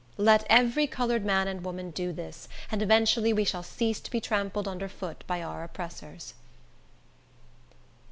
Let every colored man and woman do this, and eventually we shall cease to be trampled under foot by our oppressors.